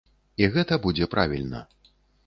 І гэта будзе правільна.